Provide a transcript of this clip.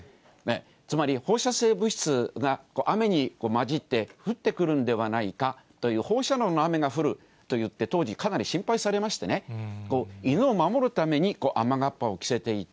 つまり、放射性物質が雨に交じって降ってくるんではないかという放射能の雨が降るといって、当時、かなり心配されましてね、犬を守るために雨がっぱを着せていた。